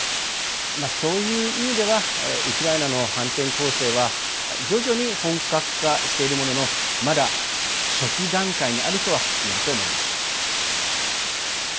そういう意味ではウクライナの反転攻勢は徐々に本格化しているもののまだ初期段階にあるとは言えると思います。